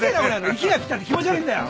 息がぴったりで気持ち悪いんだよ！